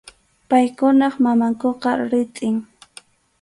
Paykunap mamankuqa ritʼim.